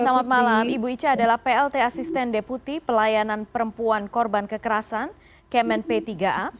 selamat malam ibu ica adalah plt asisten deputi pelayanan perempuan korban kekerasan kemen p tiga a